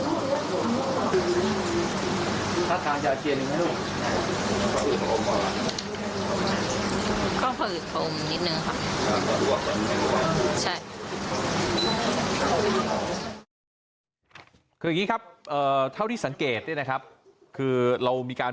คืออย่างนี้ครับเท่าที่สังเกตเนี่ยนะครับคือเรามีการ